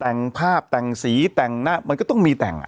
แต่งภาพแต่งสีแต่งหน้ามันก็ต้องมีแต่ง